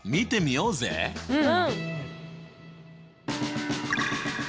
うん！